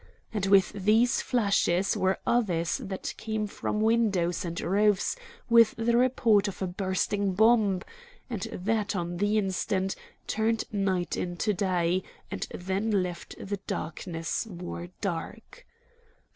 And with these flashes were others that came from windows and roofs with the report of a bursting bomb, and that, on the instant, turned night into day, and then left the darkness more dark.